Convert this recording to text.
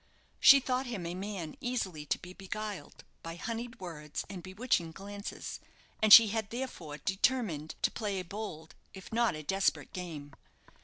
She thought him a man easily to be beguiled by honeyed words and bewitching glances, and she had, therefore, determined to play a bold, if not a desperate game.